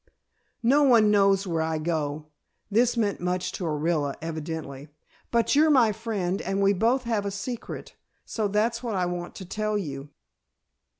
No one knows where I go," this meant much to Orilla, evidently. "But you're my friend and we both have a secret, so that's what I want to tell you."